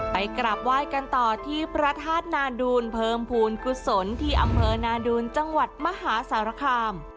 ไปกราบไหว้กันต่อที่พระธาตุนาดูลเพิ่มภูมิกุศลที่อำเภอนาดูนจังหวัดมหาสารคาม